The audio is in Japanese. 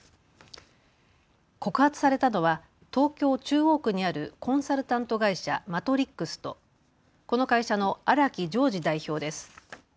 告発されたのは東京中央区にあるコンサルタント会社、ＭＡＴＲＩＸとこの会社の荒木襄治代表です。